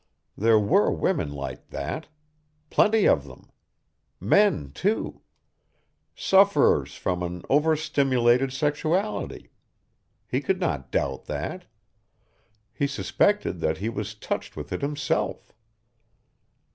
There were women like that. Plenty of them. Men too. Sufferers from an overstimulated sexuality. He could not doubt that. He suspected that he was touched with it himself.